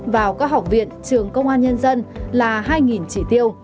vào các học viện trường công an nhân dân là hai chỉ tiêu